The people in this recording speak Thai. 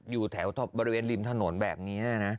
อยู่แถวบริเวณริมถนนแบบนี้นะ